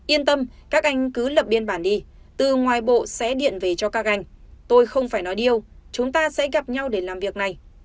yên tâm các anh cứ lập biên bản đi từ ngoài bộ sẽ điện về cho các gành tôi không phải nói điêu chúng ta sẽ gặp nhau để làm việc này